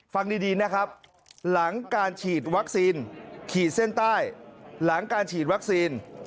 ฟังดีนะครับหลังการฉีดวัคซีนขีดเส้นใต้หลังการฉีดวัคซีน